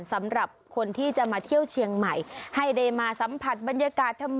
สำหรับคนที่จะมาเที่ยวเชียงใหม่ให้ได้มาสัมผัสบรรยากาศธรรม